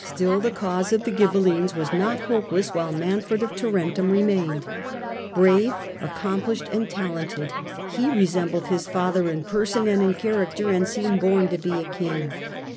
Still, the cause of the Ghibelines was not hopeless while Manfred of Tarentum remained. Brave, accomplished and talented, he resembled his father in person and in character, and seemed born to be a king.